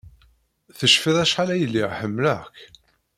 Tecfid acḥal ay lliɣ ḥemmleɣ-k?